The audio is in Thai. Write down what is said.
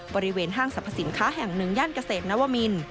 บริเวณห้างสรรพสินค้าแห่งหนึ่งย่านเกษตรนวมิน